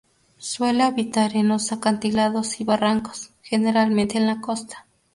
Suele habitar en los acantilados y barrancos, generalmente en la costa.